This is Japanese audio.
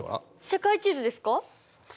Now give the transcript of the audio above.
世界地図ですか？